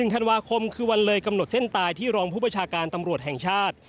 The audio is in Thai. ธันวาคมคือวันเลยกำหนดเส้นตายที่รองผู้ประชาการตำรวจแห่งชาติ